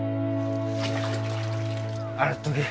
洗っとけ。